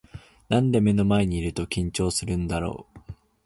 なんで目の前にいると緊張するんだろう